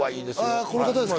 ああこの方ですか？